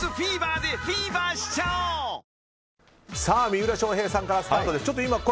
三浦翔平さんからスタートです。